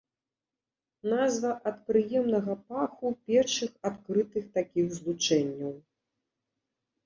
Назва ад прыемнага паху першых адкрытых такіх злучэнняў.